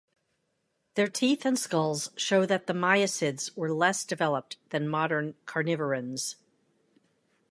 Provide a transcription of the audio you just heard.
Their teeth and skulls show that the miacids were less developed than modern carnivorans.